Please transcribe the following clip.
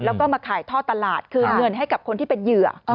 แล้วก็มาขายท่อตลาดคืนเงินให้กับคนที่เป็นเหยื่อ